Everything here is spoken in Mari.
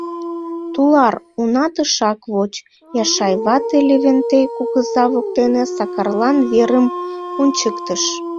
— Тулар, уна тышак воч, — Яшай вате Левентей кугыза воктене Сакарлан верым ончыктыш.